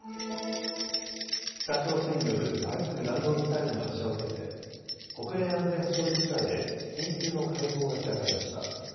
北朝鮮による相次ぐ弾道ミサイルの発射を受けて国連安全保障理事会で緊急の会合が開かれました。